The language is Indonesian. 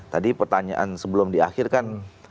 tadi pertanyaan sebelum diakhirkan